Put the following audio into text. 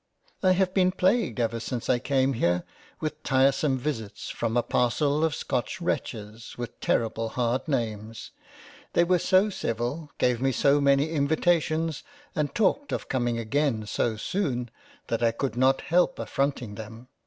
I have been plagued ever since I came here with tiresome visits from a parcel of Scotch wretches, with terrible hard names ; they were so civil, gave me so many invitations, and talked of coming again so soon, that I could not help affronting them.